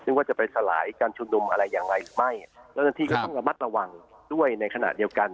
ซึ่งว่าจะไปสลายการชุมนุมอะไรอย่างไรหรือไม่เจ้าหน้าที่ก็ต้องระมัดระวังด้วยในขณะเดียวกัน